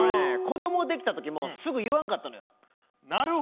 子どもできたときもすぐ言わんかったん。